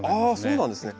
あそうなんですね。